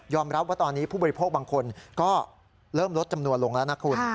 รับว่าตอนนี้ผู้บริโภคบางคนก็เริ่มลดจำนวนลงแล้วนะคุณ